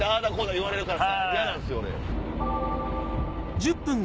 言われるから嫌なんすよ。